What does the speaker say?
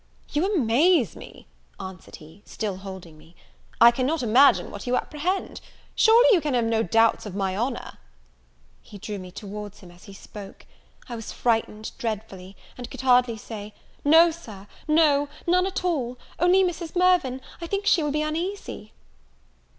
"You amaze me," answered he (still holding me), "I cannot imagine what you apprehend. Surely you can have no doubts of my honour?" He drew me towards him as he spoke. I was frightened dreadfully, and could hardly say, "No, Sir, no, none at all: only Mrs. Mirvan, I think she will be uneasy."